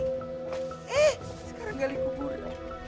eh sekarang gali kuburan